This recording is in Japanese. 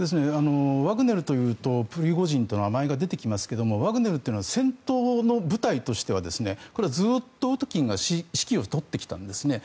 ワグネルというとプリゴジンという名前が出てきますがワグネルというのは戦闘の部隊としてはこれ、ずっとウトキンが指揮を執ってきたんですね。